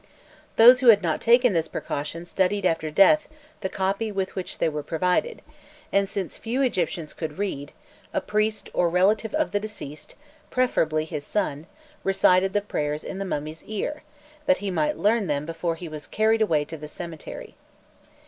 Those who had not taken this precaution studied after death the copy with which they were provided; and since few Egyptians could read, a priest, or relative of the deceased, preferably his son, recited the prayers in the mummy's ear, that he might learn them before he was carried away to the cemetery.